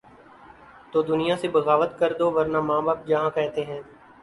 تو دنیا سے بغاوت کر دوورنہ ماں باپ جہاں کہتے ہیں۔